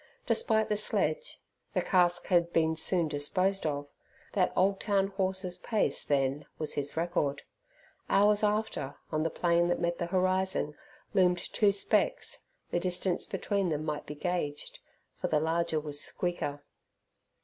Despite the sledge (the cask had been soon disposed of) that old town horse's pace then was his record. Hours after, on the plain that met the horizon, loomed two specks: the distance between them might be gauged, for the larger was Squeaker.